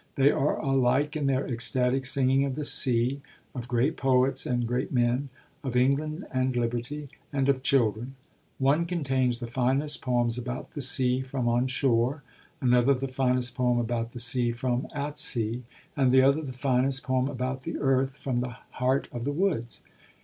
They are alike in their ecstatic singing of the sea, of great poets and great men, of England and liberty, and of children. One contains the finest poems about the sea from on shore, another the finest poem about the sea from at sea, and the other the finest poem about the earth from the heart of the woods.